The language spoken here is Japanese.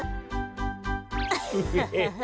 アハハハ。